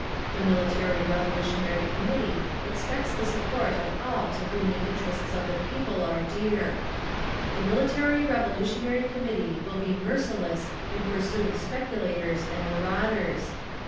The Military Revolutionary Committee expects the support of all to whom the interests of the People are dear. The Military Revolutionary Committee will be merciless in pursuit of speculators and marauders.